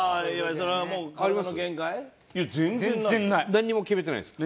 なんにも決めてないですか？